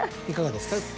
いかがですか？